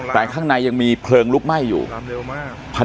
แต่ข้างในยังมีเพลิงรุกไหม้อยู่ดังนั้นพิสิทธิ์